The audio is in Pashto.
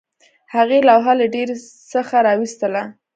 هغې لوحه له ډیرۍ څخه راویستله